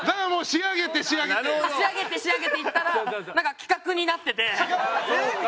仕上げて仕上げて行ったらなんか企画になってて。